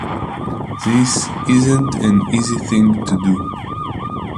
This isn’t an easy thing to do.